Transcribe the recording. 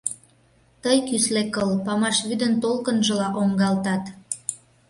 Тый, кӱсле кыл, памаш вӱдын толкынжыла оҥгалтат.